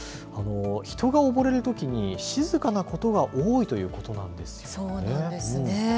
人が溺れるときに静かなことが多いそうなんですね。